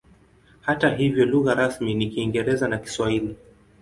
Hata hivyo lugha rasmi ni Kiingereza na Kiswahili.